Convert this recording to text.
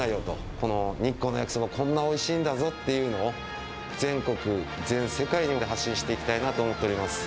この日光の焼きそば、こんなおいしいんだぞっていうのを、全国、全世界にまで発信していきたいなと思っております。